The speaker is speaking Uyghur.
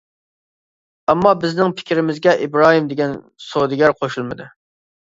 ئەمما بىزنىڭ پىكرىمىزگە ئىبراھىم دېگەن سودىگەر قوشۇلمىدى.